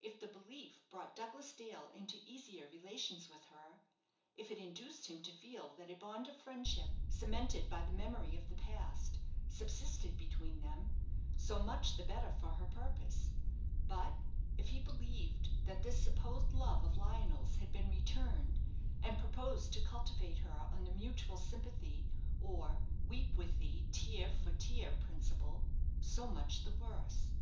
If the belief brought Douglas Dale into easier relations with her, if it induced him to feel that a bond of friendship, cemented by the memory of the past, subsisted between them, so much the better for her purpose; but if he believed that this supposed love of Lionel's had been returned, and proposed to cultivate her on the mutual sympathy, or "weep with thee, tear for tear," principle, so much the worse.